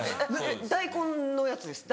大根のやつです